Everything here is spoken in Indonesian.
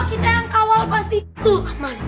iya kalau kita yang kawal pasti itu aman